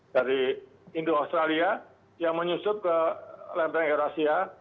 dari indo australia yang menyusup ke lempeng eurasia